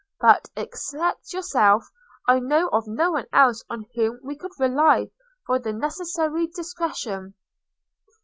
But, except yourself, I know of no one else on whom we could rely for the necessary discretion."